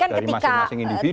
dari masing masing individu